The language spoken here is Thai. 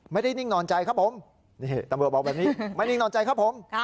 นิ่งนอนใจครับผมนี่ตำรวจบอกแบบนี้ไม่นิ่งนอนใจครับผม